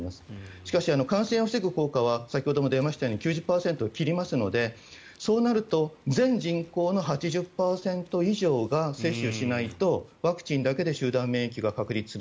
しかし、感染を防ぐ効果は先ほども出ましたように９０％を切りますのでそうなると全人口の８０％以上が接種しないとワクチンだけで集団免疫が確立する。